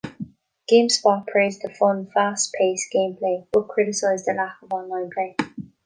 GameSpot praised the "fun, fast-paced gameplay" but criticized the lack of online play.